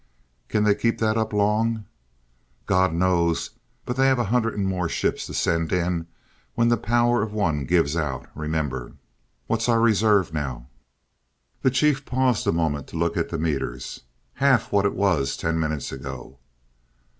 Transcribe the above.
"Can they keep that up long?" "God knows but they have a hundred and more ships to send in when the power of one gives out, remember." "What's our reserve now?" The Chief paused a moment to look at the meters. "Half what it was ten minutes ago!"